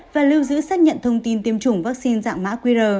và lưu giữ xác nhận thông tin tiêm chủng vaccine dạng mã qr